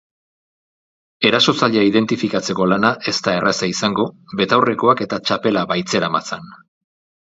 Erasotzailea identifikatzeko lana ez da erraza izango, betaurrekoak eta txapela baitzeramatzan.